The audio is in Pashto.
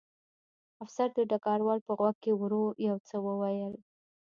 افسر د ډګروال په غوږ کې ورو یو څه وویل